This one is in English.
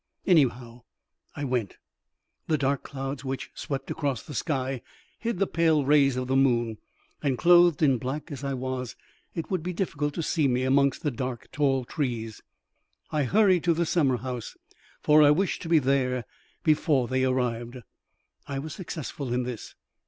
Anyhow, I went. The dark clouds which swept across the sky hid the pale rays of the moon, and, clothed in black as I was, it would be difficult to see me amongst the dark tall trees. I hurried to the summer house, for I wished to be there before they arrived. I was successful in this.